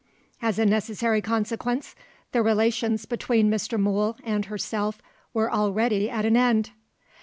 As a necessary consequence, the relations between Mr. Mool and herself were already at an end.